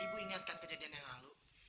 ibu ingatkan kejadian yang lalu